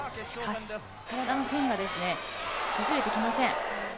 体の線が崩れてきません。